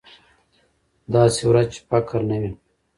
داسې ورځ چې فقر نه وي.